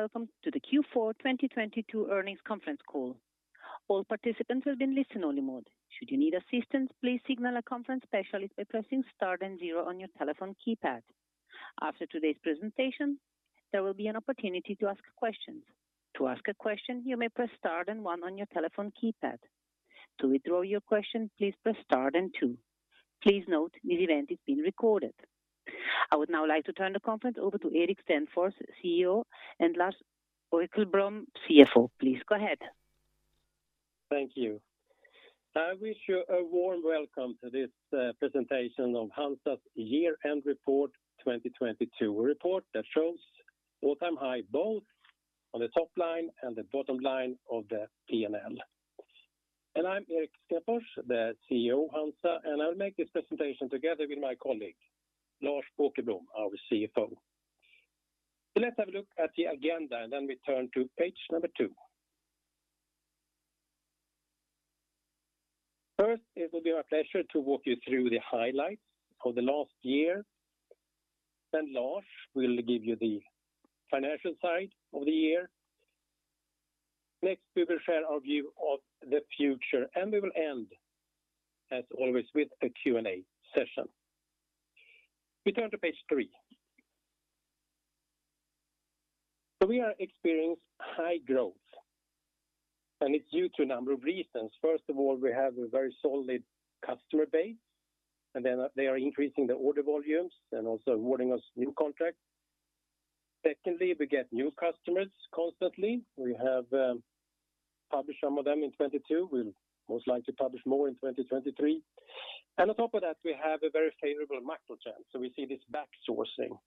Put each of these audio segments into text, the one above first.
Good morning, welcome to the Q4 2022 earnings conference call. All participants have been listen only mode. Should you need assistance, please signal a conference specialist by pressing star then zero on your telephone keypad. After today's presentation, there will be an opportunity to ask questions. To ask a question, you may press star and one on your telephone keypad. To withdraw your question, please press star and two. Please note this event is being recorded. I would now like to turn the conference over to Erik Stenfors, CEO, and Lars Åkerblom, CFO. Please go ahead. Thank you. I wish you a warm welcome to this presentation of HANZA's year-end report 2022 report that shows all-time high, both on the top line and the bottom line of the P&L. I'm Erik Stenfors, the CEO of HANZA, and I'll make this presentation together with my colleague, Lars Åkerblom, our CFO. Let's have a look at the agenda, and then we turn to page two. First, it will be our pleasure to walk you through the highlights of the last year. Lars will give you the financial side of the year. Next, we will share our view of the future, and we will end, as always, with a Q&A session. We turn to page three. We are experiencing high growth, and it's due to a number of reasons. First of all, we have a very solid customer base, and then they are increasing the order volumes and also awarding us new contracts. Secondly, we get new customers constantly. We have published some of them in 2022. We'll most likely publish more in 2023. On top of that, we have a very favorable macro trend. We see this backsourcing,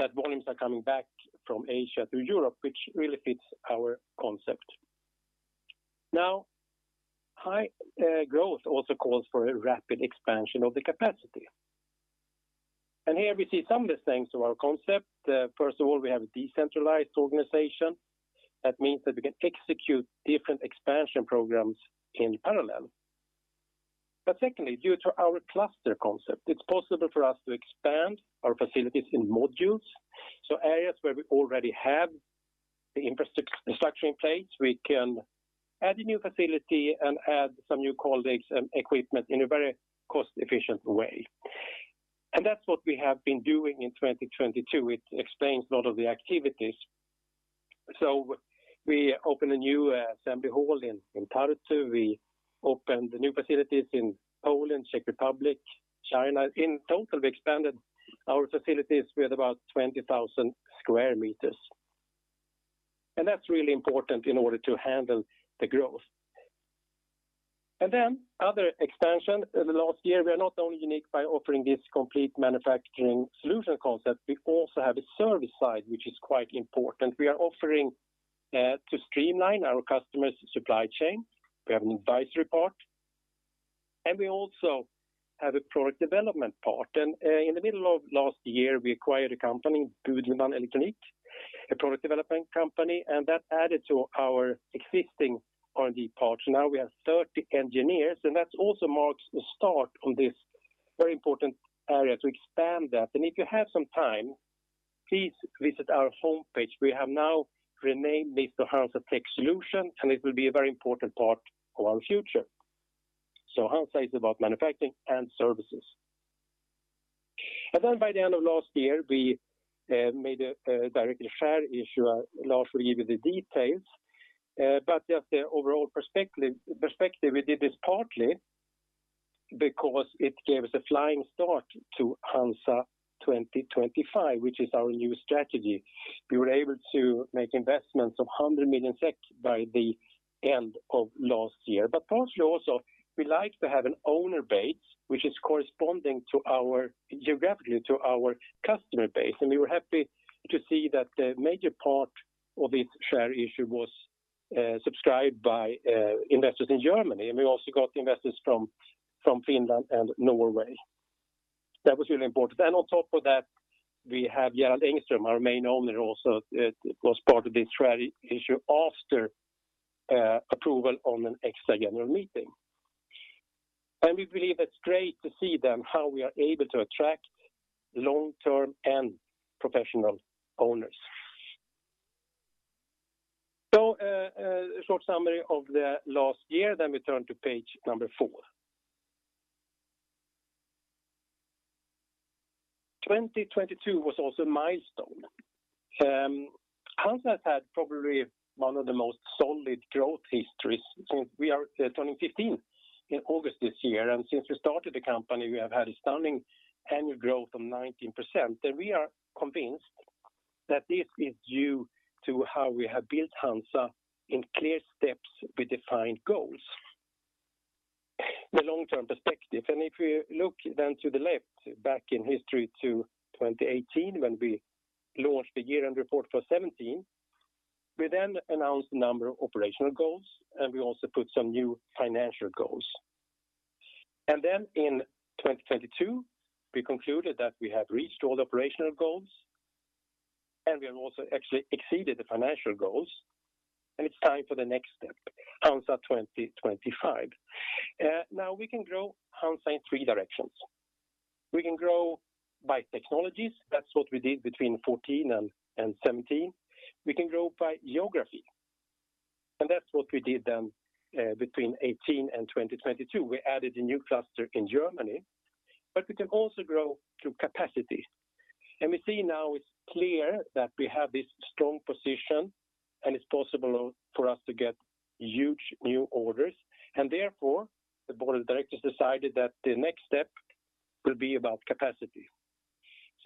that volumes are coming back from Asia to Europe, which really fits our concept. Now, high growth also calls for a rapid expansion of the capacity. Here we see some of the things of our concept. First of all, we have a decentralized organization. That means that we can execute different expansion programs in parallel. Secondly, due to our cluster concept, it's possible for us to expand our facilities in modules. Areas where we already have the infrastructure in place, we can add a new facility and add some new colleagues and equipment in a very cost-efficient way. That's what we have been doing in 2022. It explains a lot of the activities. We opened a new assembly hall in Tartu. We opened the new facilities in Poland, Czech Republic, China. In total, we expanded our facilities with about 20,000 sq m. That's really important in order to handle the growth. Other expansion in the last year, we are not only unique by offering this complete manufacturing solution concept, we also have a service side, which is quite important. We are offering to streamline our customers' supply chain. We have an advisory part, and we also have a product development part. In the middle of last year, we acquired a company, Budelmann Elektronik, a product development company, and that added to our existing R&D part. Now we have 30 engineers, and that also marks the start on this very important area to expand that. If you have some time, please visit our homepage. We have now renamed this to HANZA Tech Solutions, and it will be a very important part of our future. HANZA is about manufacturing and services. By the end of last year, we made a directly share issue. Lars will give you the details. Just the overall perspective, we did this partly because it gave us a flying start to HANZA 2025, which is our new strategy. We were able to make investments of 100 million SEK by the end of last year. Partially also, we like to have an owner base which is corresponding to our geographically to our customer base. We were happy to see that the major part of this share issue was subscribed by investors in Germany. We also got investors from Finland and Norway. That was really important. On top of that, we have Gerald Engström, our main owner, also was part of this share issue after approval on an extra general meeting. We believe it's great to see then how we are able to attract long-term and professional owners. A short summary of the last year, then we turn to page number four. 2022 was also a milestone. HANZA has had probably one of the most solid growth histories since we are turning 15 in August this year. Since we started the company, we have had a stunning annual growth of 19%. We are convinced that this is due to how we have built HANZA in clear steps with defined goals, the long-term perspective. If you look down to the left, back in history to 2018 when we launched the year-end report for 2017, we then announced a number of operational goals, and we also put some new financial goals. In 2022, we concluded that we have reached all the operational goals and we have also actually exceeded the financial goals, and it's time for the next step, HANZA 2025. Now we can grow HANZA in three directions. We can grow by technologies. That's what we did between 2014 and 2017. We can grow by geography, and that's what we did then, between 2018 and 2022. We added a new cluster in Germany. We can also grow through capacity. We see now it's clear that we have this strong position, and it's possible for us to get huge new orders. Therefore, the board of directors decided that the next step will be about capacity.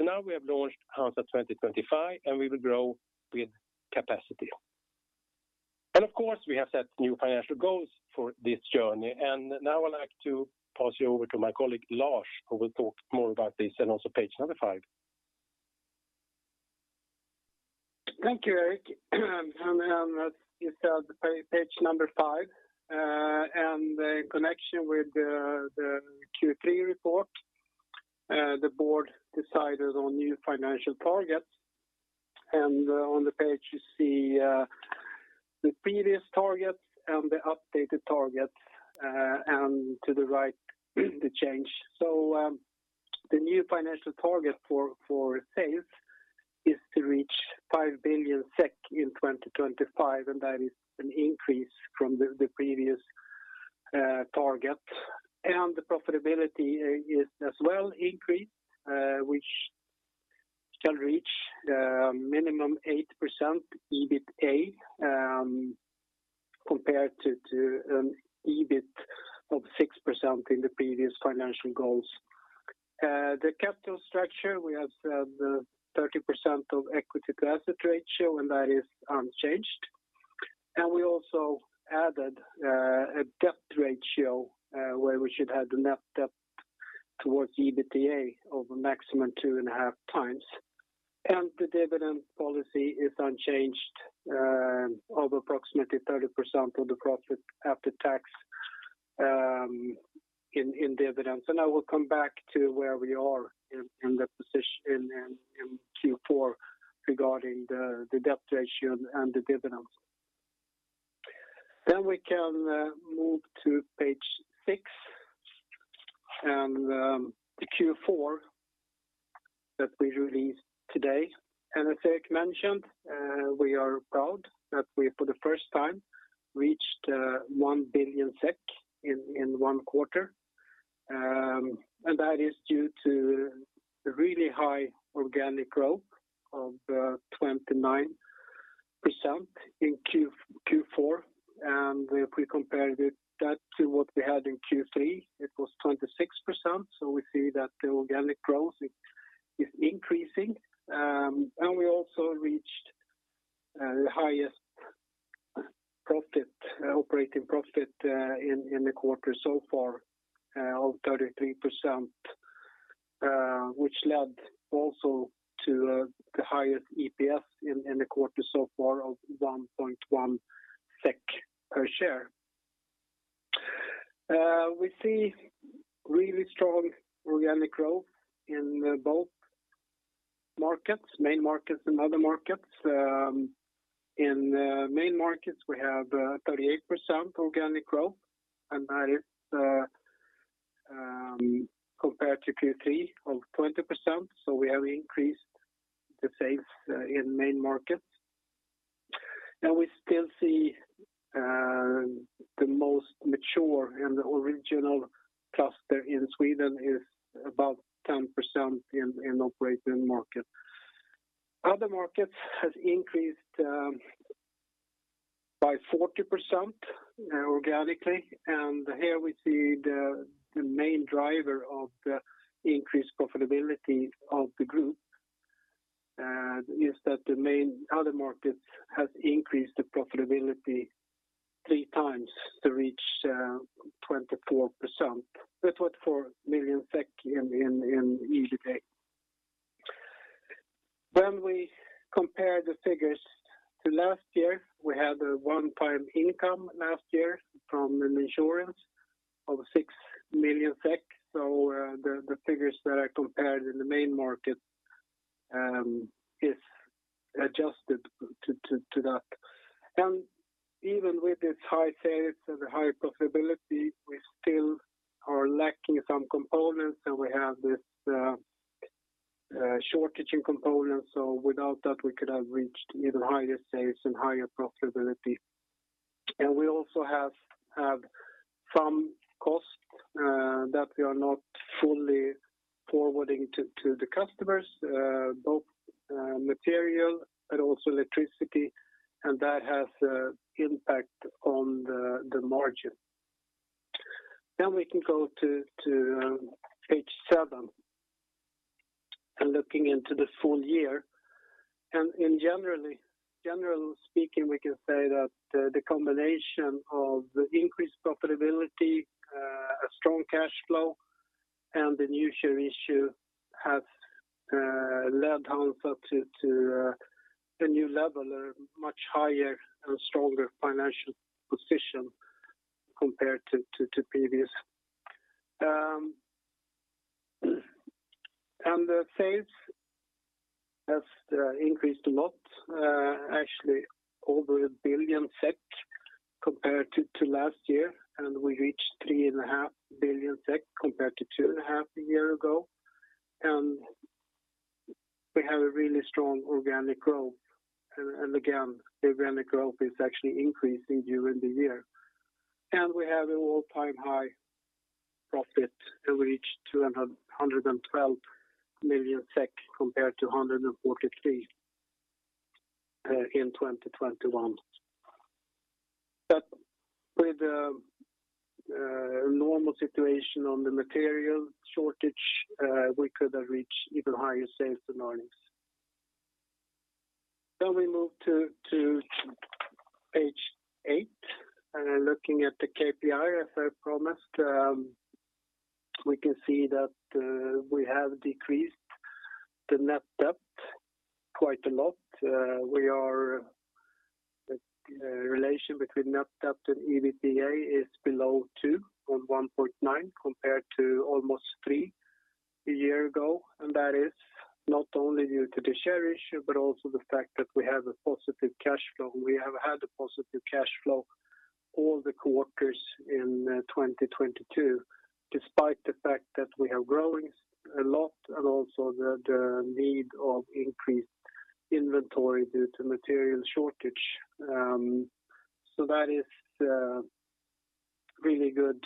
Now we have launched HANZA 2025, and we will grow with capacity. Of course, we have set new financial goals for this journey. Now I'd like to pass you over to my colleague, Lars, who will talk more about this and also page number five. Thank you, Erik. As you said, page number five, in connection with the Q3 report, the board decided on new financial targets. On the page, you see the previous targets and the updated targets, and to the right the change. The new financial target for sales is to reach 5 billion SEK in 2025, and that is an increase from the previous target. The profitability is as well increased, which shall reach minimum 8% EBITA, compared to EBIT of 6% in the previous financial goals. The capital structure, we have 30% of equity to asset ratio, and that is unchanged. We also added a debt ratio where we should have the net debt towards the EBITDA of a maximum 2.5x. The dividend policy is unchanged, of approximately 30% of the profit after tax, in dividends. I will come back to where we are in Q4 regarding the debt ratio and the dividends. We can move to page six and the Q4 that we released today. As Erik mentioned, we are proud that we, for the first time, reached 1 billion SEK in one quarter. That is due to really high organic growth of 29% in Q4. If we compare that to what we had in Q3, it was 26%. We see that the organic growth is increasing. And we also reached the highest profit, operating profit, in the quarter so far, of 33%, which led also to the highest EPS in the quarter so far of 1.1 SEK per share. We see really strong organic growth in both markets, Main Markets and Other Markets. In Main Markets, we have 38% organic growth, and that is compared to Q3 of 20%. We have increased the sales in Main Markets. We still see the most mature and original cluster in Sweden is about 10% in operating market. Other Markets has increased by 40% organically. Here we see the main driver of the increased profitability of the group is that the main Other Markets has increased the profitability three times to reach 24%. That's SEK 4 million in EBITA. When we compare the figures to last year, we had a one-time income last year from an insurance of 6 million SEK. The figures that are compared in the main market is adjusted to that. Even with this high sales and the high profitability, we still are lacking some components, and we have this shortage in components. Without that, we could have reached even higher sales and higher profitability. We also have some costs that we are not fully forwarding to the customers, both material, but also electricity, and that has an impact on the margin. We can go to page seven and looking into the full year. In general speaking, we can say that the combination of the increased profitability, a strong cash flow, and the new share issue has led HANZA to a new level, a much higher and stronger financial position compared to previous. The sales has increased a lot, actually over 1 billion SEK compared to last year, and we reached 3.5 billion SEK compared to 2.5 billion a year ago. We have a really strong organic growth. Again, the organic growth is actually increasing during the year. We have an all-time high profit that reached 112 million SEK compared to 143 miilion in 2021. With a normal situation on the material shortage, we could have reached even higher sales and earnings. We move to page eight. Looking at the KPI, as I promised, we can see that we have decreased the net debt quite a lot. The relation between net debt and EBITDA is below two on 1.9 compared to almost three a year ago. That is not only due to the share issue, but also the fact that we have a positive cash flow. We have had a positive cash flow all the quarters in 2022, despite the fact that we are growing a lot and also the need of increased inventory due to material shortage. That is really good.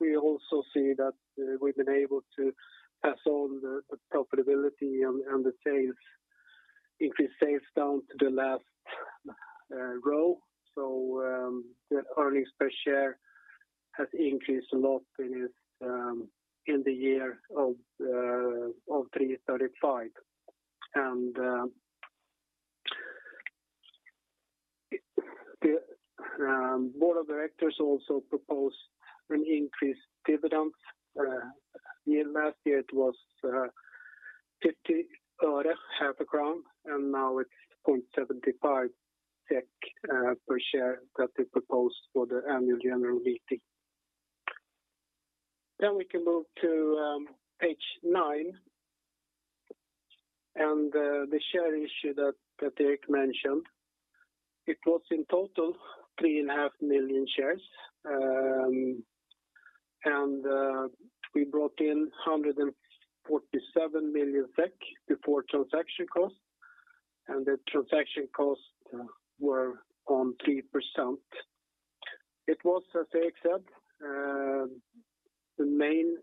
We also see that we've been able to pass on the profitability on the sales, increase sales down to the last row. The earnings per share has increased a lot in the year of SEK 3.35. The board of directors also proposed an increased dividend. In last year it was 0.50, half a crown, and now it's 0.75 SEK per share that they proposed for the annual general meeting. We can move to page nine. The share issue that Erik mentioned, it was in total three and half million shares. We brought in 147 million SEK before transaction costs, and the transaction costs were on 3%. It was, as Erik said, the main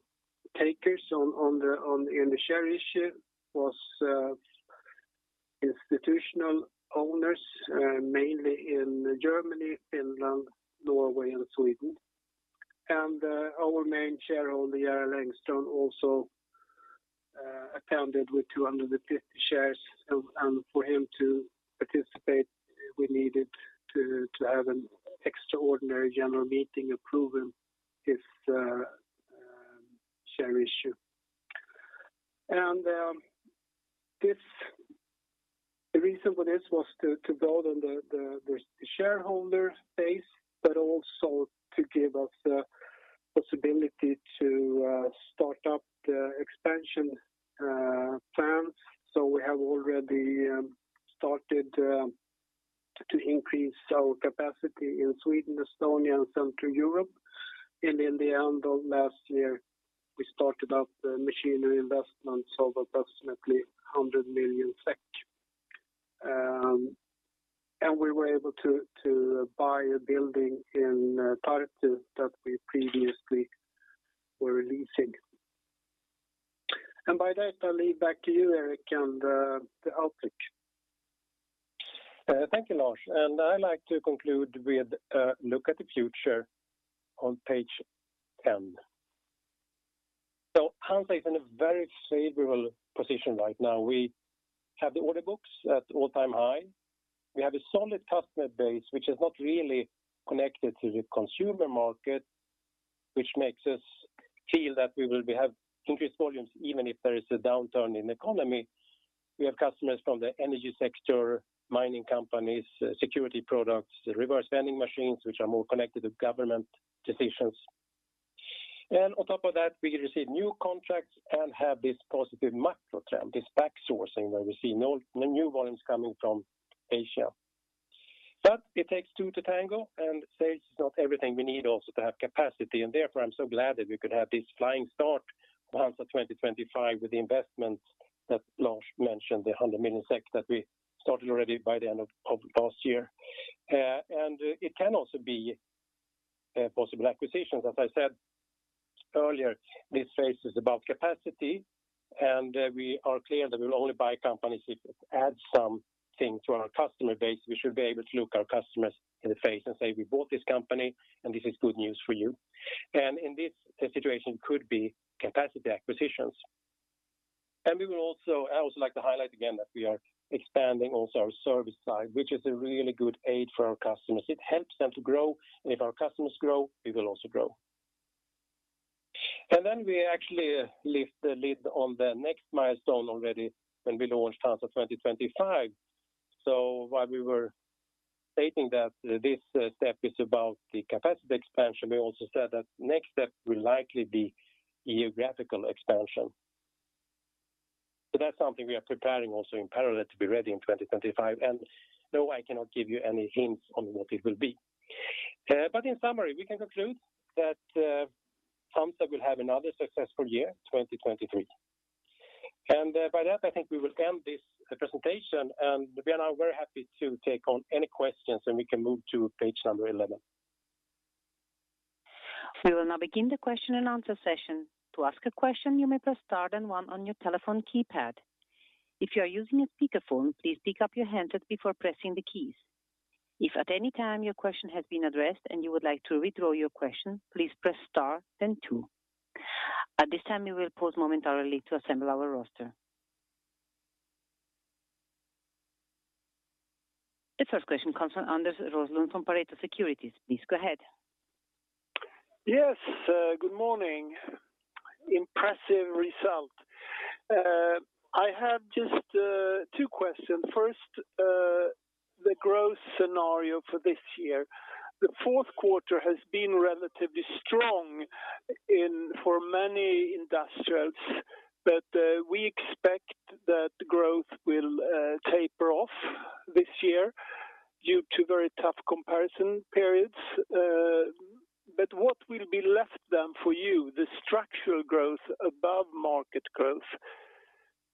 takers on the, in the share issue was institutional owners, mainly in Germany, Finland, Norway, and Sweden. Our main shareholder, Gerald Engström, also attended with 250 shares. For him to participate, we needed to have an extraordinary general meeting approving this share issue. The reason for this was to build on the shareholder base, but also to give us the possibility to start up the expansion plans. We have already started to increase our capacity in Sweden, Estonia, and Central Europe. In the end of last year, we started up the machinery investments of approximately 100 million SEK. We were able to buy a building in Tartu that we previously were leasing. By that, I'll leave back to you, Erik, and the outlook. Thank you, Lars. I'd like to conclude with a look at the future on page 10. HANZA is in a very favorable position right now. We have the order books at all-time high. We have a solid customer base, which is not really connected to the consumer market, which makes us feel that we will be have increased volumes even if there is a downturn in the economy. We have customers from the energy sector, mining companies, security products, reverse vending machines, which are more connected with government decisions. On top of that, we receive new contracts and have this positive macro trend, this backsourcing, where we see the new volumes coming from Asia. It takes two to tango, and sales is not everything we need also to have capacity. Therefore, I'm so glad that we could have this flying start, HANZA 2025, with the investment that Lars mentioned, the 100 million that we started already by the end of last year. It can also be possible acquisitions. As I said earlier, this phase is about capacity, and we are clear that we will only buy companies if it adds something to our customer base. We should be able to look our customers in the face and say, "We bought this company and this is good news for you." In this situation could be capacity acquisitions. We will also. I also like to highlight again that we are expanding also our service side, which is a really good aid for our customers. It helps them to grow. If our customers grow, we will also grow. We actually lift the lid on the next milestone already when we launched HANZA 2025. While we were stating that this step is about the capacity expansion. We also said that next step will likely be geographical expansion. That's something we are preparing also in parallel to be ready in 2025. No, I cannot give you any hints on what it will be. In summary, we can conclude that HANZA will have another successful year, 2023. By that, I think we will end this presentation, and we are now very happy to take on any questions, and we can move to page number 11. We will now begin the question and answer session. To ask a question, you may press star then one on your telephone keypad. If you are using a speakerphone, please pick up your handset before pressing the keys. If at any time your question has been addressed and you would like to withdraw your question, please press star then two. At this time, we will pause momentarily to assemble our roster. The first question comes from Anders Roslund from Pareto Securities. Please go ahead. Yes, good morning. Impressive result. I have just two questions. First, the growth scenario for this year. The fourth quarter has been relatively strong for many industrials, but we expect that growth will taper off this year due to very tough comparison periods. What will be left then for you, the structural growth above market growth?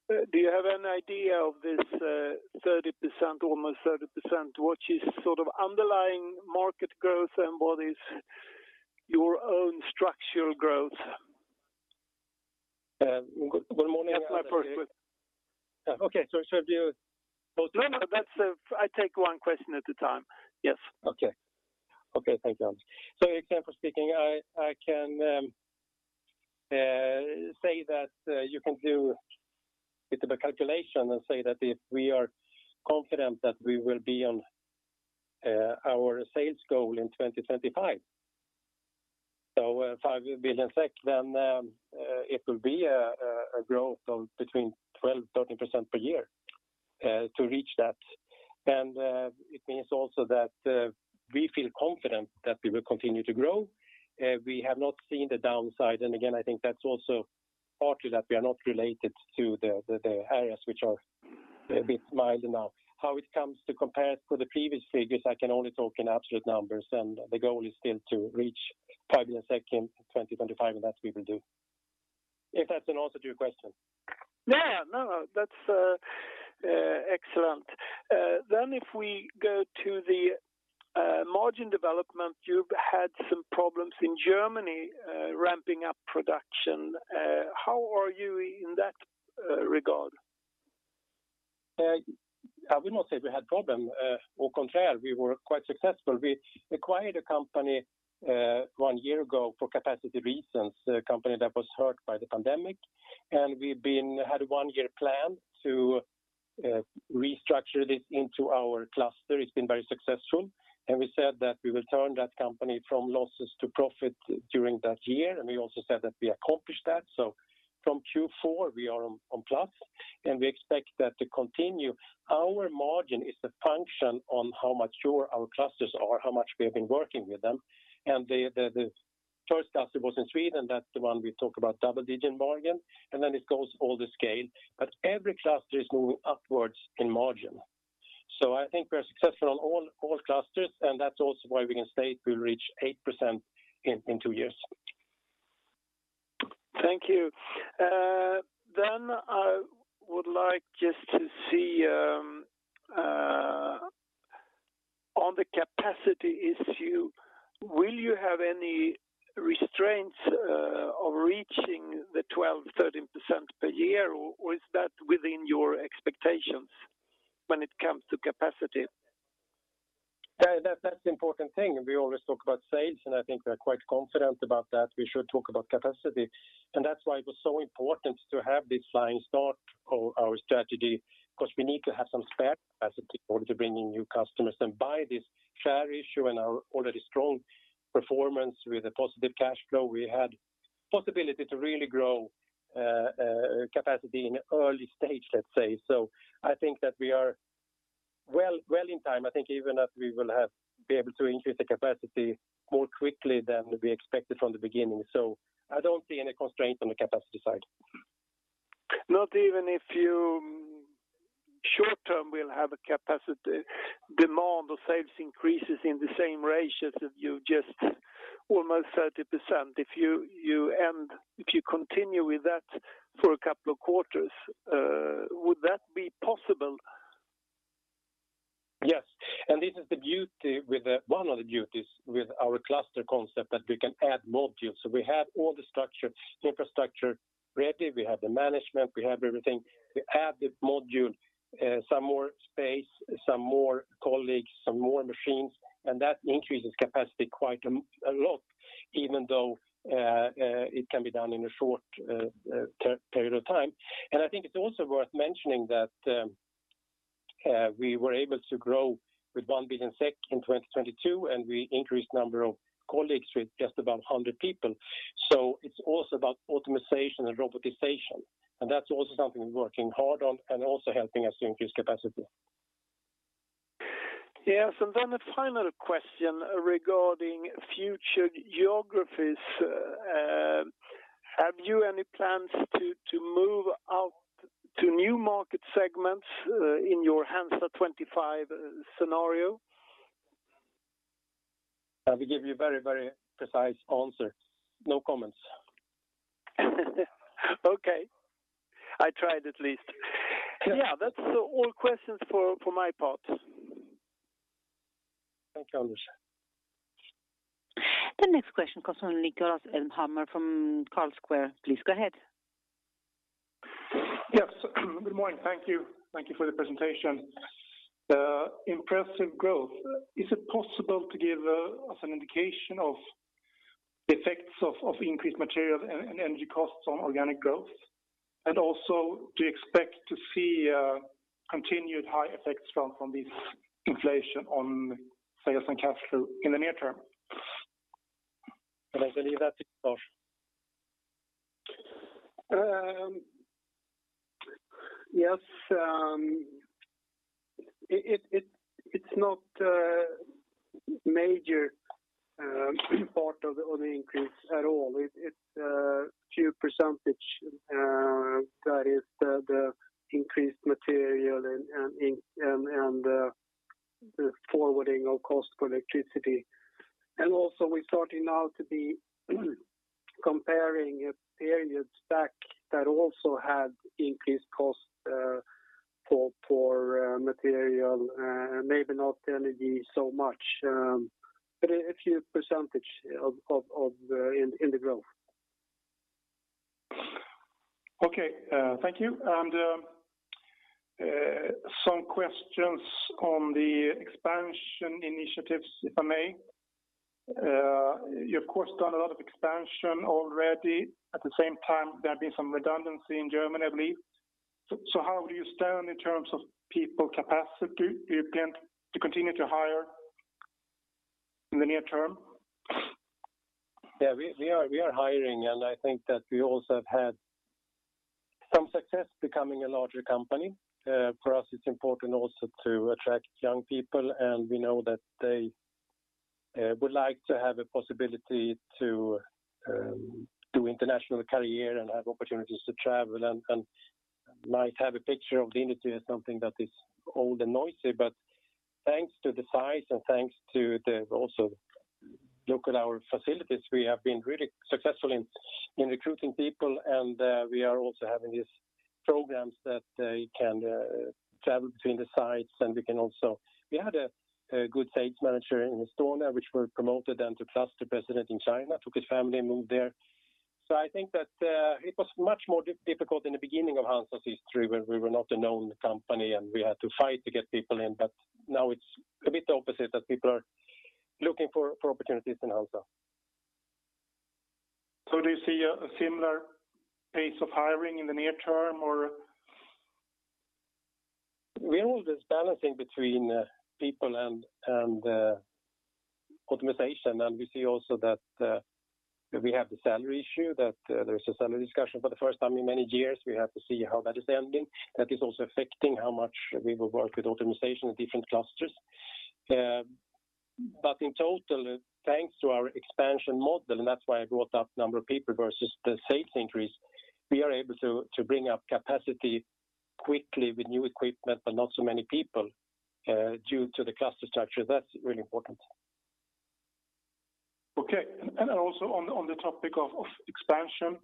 Do you have an idea of this, 30%, almost 30%? What is sort of underlying market growth, and what is your own structural growth? Good morning. That's my first. Okay. Should you both? No, no, that's... I take one question at a time. Yes. Okay. Thank you, Anders. Example speaking, I can say that you can do a bit of a calculation and say that if we are confident that we will be on our sales goal in 2025, so 5 billion SEK, then it will be a growth of between 12%-13% per year to reach that. It means also that we feel confident that we will continue to grow. We have not seen the downside. Again, I think that's also partly that we are not related to the areas which are a bit milder now. How it comes to compare to the previous figures, I can only talk in absolute numbers, and the goal is still to reach 5 billion SEK in 2025, and that we will do. If that's an answer to your question. Yeah, no, that's excellent. If we go to the margin development, you've had some problems in Germany, ramping up production. How are you in that regard? I will not say we had problem. Au contraire, we were quite successful. We acquired a company one year ago for capacity reasons, a company that was hurt by the pandemic. We had a one year plan to restructure this into our cluster. It's been very successful. We said that we will turn that company from losses to profit during that year. We also said that we accomplished that. From Q4, we are on plus, and we expect that to continue. Our margin is a function on how mature our clusters are, how much we have been working with them. The first cluster was in Sweden. That's the one we talk about double-digit margin. Then it goes all the scale. Every cluster is moving upwards in margin. I think we're successful on all clusters, and that's also why we can state we'll reach 8% in two years. Thank you. I would like just to see on the capacity issue, will you have any restraints of reaching the 12%-13% per year, or is that within your expectations when it comes to capacity? Yeah, that's the important thing. We always talk about sales. I think we're quite confident about that. We should talk about capacity. That's why it was so important to have this flying start of our strategy, because we need to have some spare capacity in order to bring in new customers. By this share issue and our already strong performance with a positive cash flow, we had possibility to really grow capacity in early stage, let's say. I think that we are well in time. I think even that we will be able to increase the capacity more quickly than we expected from the beginning. I don't see any constraint on the capacity side. Not even if you short term will have a capacity demand or sales increases in the same ratios that you just almost 30%. If you continue with that for a couple of quarters, would that be possible? Yes. This is the beauty with, one of the beauties with our cluster concept that we can add modules. We have all the structure, infrastructure ready. We have the management. We have everything. We add the module, some more space, some more colleagues, some more machines, and that increases capacity quite a lot, even though it can be done in a short period of time. I think it's also worth mentioning that we were able to grow with 1 billion SEK in 2022, and we increased number of colleagues with just about 100 people. It's also about optimization and robotization, and that's also something we're working hard on and also helping us to increase capacity. Yes. Then the final question regarding future geographies, have you any plans to move out to new market segments in your HANZA 2025 scenario? I will give you a very, very precise answer. No comments. Okay. I tried at least. Yeah, that's all questions for my part. Thank you, Anders. The next question comes from Niklas Elmhammer from Carlsquare. Please go ahead. Yes. Good morning. Thank you. Thank you for the presentation. impressive growth. Is it possible to give, us an indication of the effects of increased material and energy costs on organic growth? Also, do you expect to see, continued high effects from this inflation on sales and cash flow in the near term? I believe that's Lars. Yes, it's not a major part of the only increase at all. It's a few percentage that is the increased material and the forwarding of cost for electricity. Also we're starting now to be comparing periods back that also had increased costs for material, maybe not energy so much, but a few percentage of the growth. Okay. Thank you. Some questions on the expansion initiatives, if I may. You of course done a lot of expansion already. At the same time, there have been some redundancy in Germany, I believe. How would you stand in terms of people capacity? Do you plan to continue to hire in the near term? Yeah, we are hiring, and I think that we also have had some success becoming a larger company. For us, it's important also to attract young people, and we know that they would like to have a possibility to do international career and have opportunities to travel and might have a picture of the industry as something that is old and noisy. Thanks to the size and thanks to the also look at our facilities, we have been really successful in recruiting people. We are also having these programs that they can travel between the sites. We had a good sales manager in Estonia, which were promoted then to cluster president in China, took his family, moved there. I think that it was much more difficult in the beginning of HANZA's history when we were not a known company, and we had to fight to get people in. Now it's a bit opposite, that people are looking for opportunities in HANZA. Do you see a similar pace of hiring in the near term or? We always balancing between people and optimization. We see also that we have the salary issue, that there's a salary discussion for the first time in many years. We have to see how that is ending. That is also affecting how much we will work with optimization with different clusters. In total, thanks to our expansion model, and that's why I brought up number of people versus the sales increase, we are able to bring up capacity quickly with new equipment, but not so many people due to the cluster structure. That's really important. Okay. Also on the, on the topic of expansion,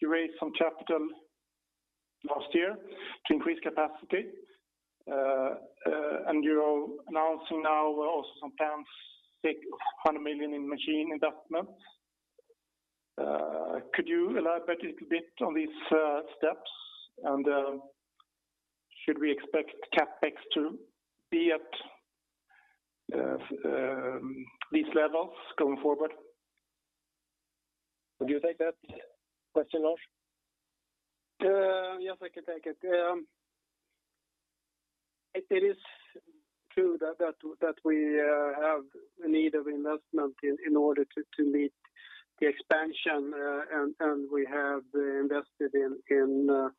you raised some capital last year to increase capacity. You're announcing now also some plans, take 100 million in machine investment. Could you elaborate a little bit on these steps? Should we expect CapEx to be at these levels going forward? Would you take that question, Lars? Yes, I can take it. It is true that we have a need of investment in order to meet the expansion. We have invested in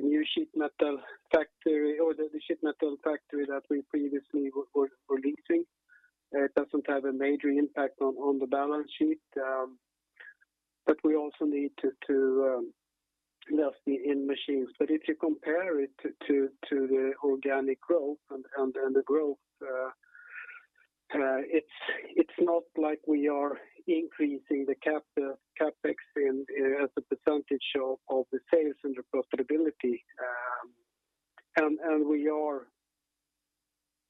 the new sheet metal factory or the sheet metal factory that we previously were leasing. It doesn't have a major impact on the balance sheet, but we also need to invest in machines. If you compare it to the organic growth and the growth, it's not like we are increasing the CapEx as a percentage of the sales and the profitability. We are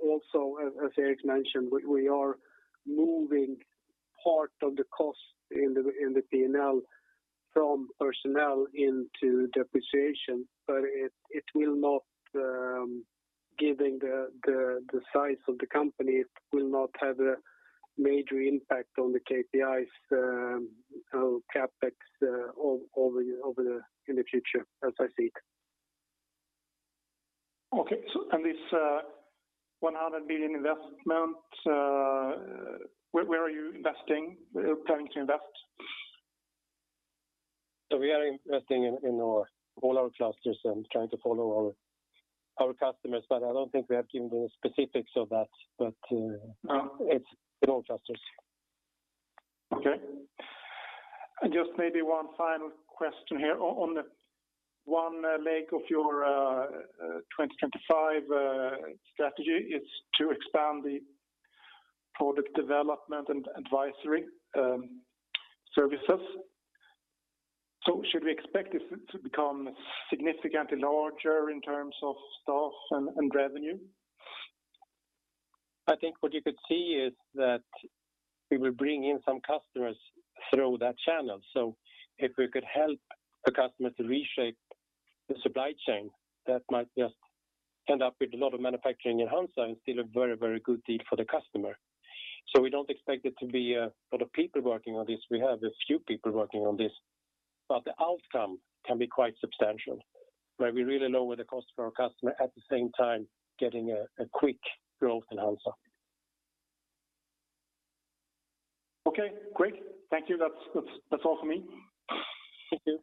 also, as Erik mentioned, we are moving part of the cost in the P&L from personnel into depreciation, but it will not, given the size of the company, it will not have a major impact on the KPIs, or CapEx over the in the future, as I see it. This, 100 million investment, where are you investing or planning to invest? We are investing in all our clusters and trying to follow our customers, but I don't think we have given the specifics of that. It's in all clusters. Okay. Just maybe one final question here on the one leg of your 2025 strategy is to expand the product development and advisory services. Should we expect this to become significantly larger in terms of staff and revenue? I think what you could see is that we will bring in some customers through that channel. If we could help a customer to reshape the supply chain, that might just end up with a lot of manufacturing in HANZA and still a very, very good deal for the customer. We don't expect it to be a lot of people working on this. We have a few people working on this, but the outcome can be quite substantial, where we really lower the cost for our customer, at the same time, getting a quick growth in HANZA. Okay, great. Thank you. That's all for me. Thank you.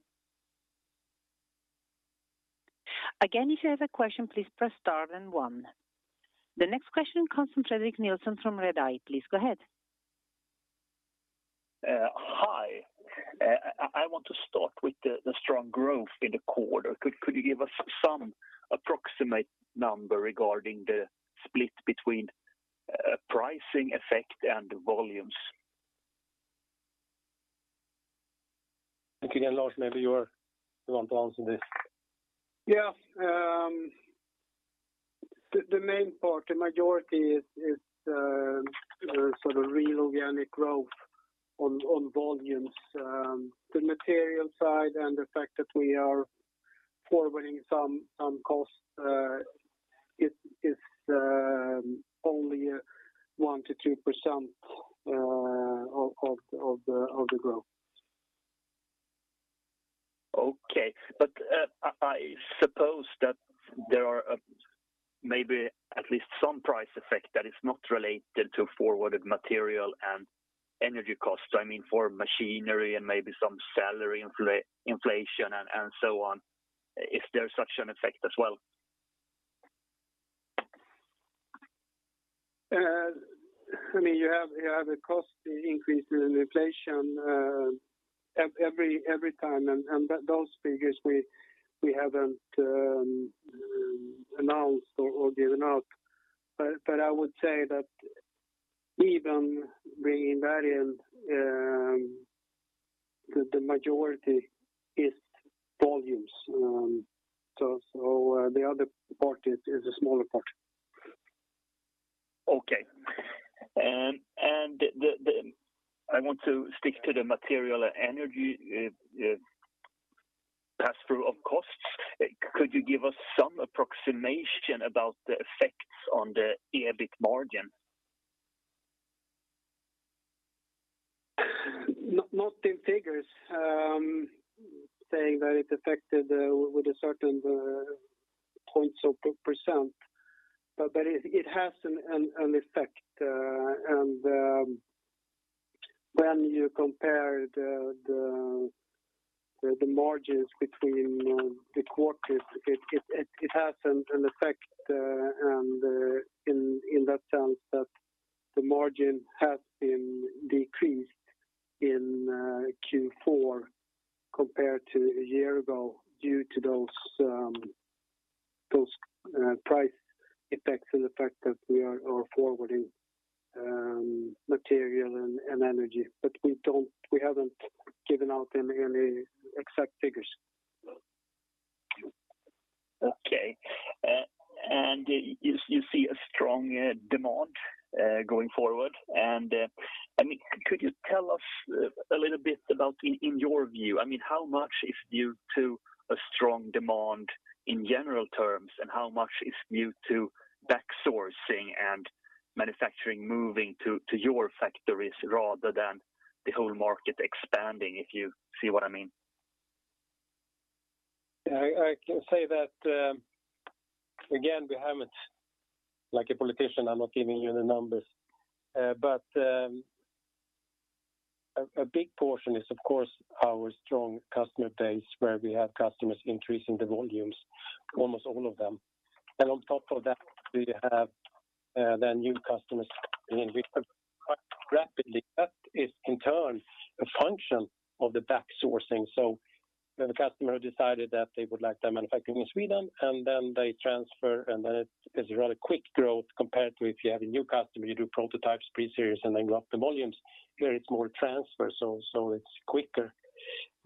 Again, if you have a question, please press star then one. The next question comes from Fredrik Nilsson from Redeye. Please go ahead. Hi. I want to start with the strong growth in the quarter. Could you give us some approximate number regarding the split between pricing effect and volumes? I think, again, Lars, maybe you're the one to answer this. Yeah. The main part, the majority is the sort of real organic growth on volumes. The material side and the fact that we are forwarding some costs is only 1%-3% of the growth. Okay. I suppose that there are maybe at least some price effect that is not related to forwarded material and energy costs, I mean, for machinery and maybe some salary inflation and so on. Is there such an effect as well? I mean, you have a cost increase in inflation every time. That those figures we haven't announced or given out. I would say that even being that in the majority is volumes. The other part is a smaller part. Okay. and the I want to stick to the material energy, pass through of costs. Could you give us some approximation about the effects on the EBIT margin? Not in figures, saying that it affected with a certain points of percent. It has an effect. When you compare the margins between the quarters, it has an effect, and in that sense that the margin has been decreased in Q4 compared to a year ago due to those price effects and the fact that we are forwarding material and energy. We don't, we haven't given out any exact figures. Okay. You see a strong demand going forward. I mean, could you tell us a little bit about in your view, I mean, how much is due to a strong demand in general terms, and how much is new to backsourcing and manufacturing moving to your factories rather than the whole market expanding, if you see what I mean? I can say that, again, we haven't, like a politician, I'm not giving you the numbers. A big portion is, of course, our strong customer base, where we have customers increasing the volumes, almost all of them. On top of that, we have the new customers coming in, which have quite rapidly. That is, in turn, a function of the backsourcing. When the customer decided that they would like their manufacturing in Sweden, then they transfer, and then it is a rather quick growth compared to if you have a new customer, you do prototypes, pre-series, and then you up the volumes. Here it's more transfer, so it's quicker.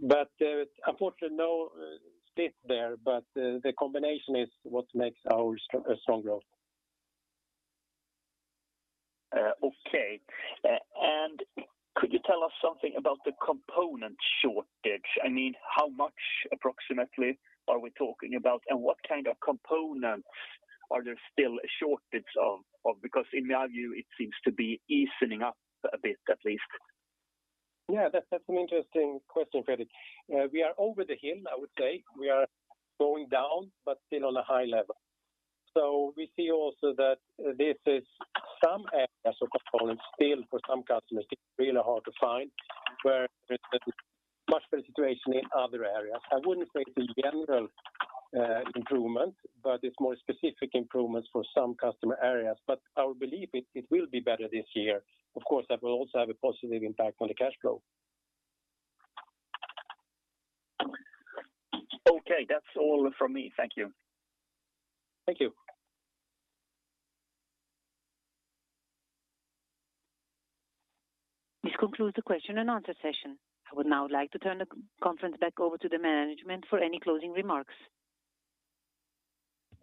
Unfortunately, no stat there, but the combination is what makes our strong growth. Okay. Could you tell us something about the component shortage? I mean, how much approximately are we talking about, and what kind of components are there still a shortage of? In my view, it seems to be easing up a bit, at least. Yeah, that's an interesting question, Fredrik. We are over the hill, I would say. We are going down, but still on a high level. We see also that this is some areas of components still for some customers it's really hard to find, where it's a much better situation in other areas. I wouldn't say it's a general improvement, but it's more specific improvements for some customer areas. Our belief it will be better this year. Of course, that will also have a positive impact on the cash flow. Okay, that's all from me. Thank you. Thank you. This concludes the question and answer session. I would now like to turn the conference back over to the management for any closing remarks.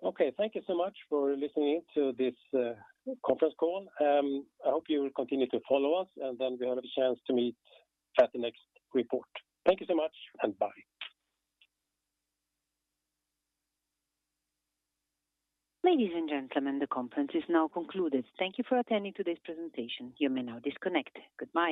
Okay, thank you so much for listening to this conference call. I hope you will continue to follow us, and then we have a chance to meet at the next report. Thank you so much, and bye. Ladies and gentlemen, the conference is now concluded. Thank you for attending today's presentation. You may now disconnect. Goodbye.